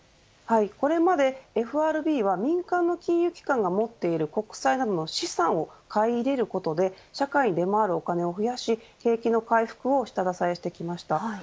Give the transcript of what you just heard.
これまでＦＲＢは民間の金融機関が持っている国債などの資産を買い入れることで社会に出回るお金を増やし景気の回復を下支えしてきました。